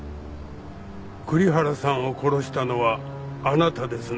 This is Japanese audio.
栗原さんを殺したのはあなたですね？